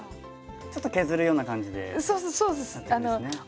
ちょっと削るような感じでやるんですね？